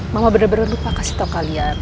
mama bener bener lupa kasih tau kalian